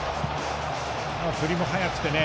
振りも速くてね